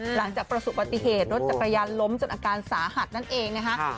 หลังจากประสบปฏิเหตุรถจักรยานล้มจนอาการสาหัสนั่นเองนะคะ